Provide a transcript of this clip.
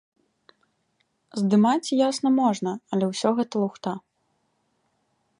Здымаць, ясна, можна, але ўсё гэта лухта.